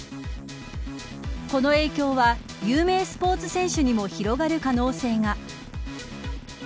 この影響は有名スポーツ選手にも広がる可能性が。